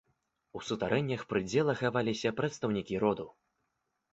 У сутарэннях прыдзела хаваліся прадстаўнікі роду.